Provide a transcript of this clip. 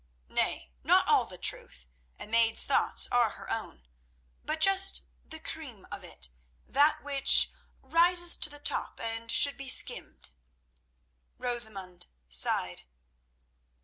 Nay, not all the truth—a maid's thoughts are her own—but just the cream of it, that which rises to the top and should be skimmed." Rosamund sighed.